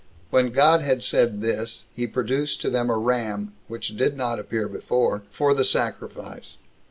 When God had said this, he produced to them a ram, which did not appear before, for the sacrifice.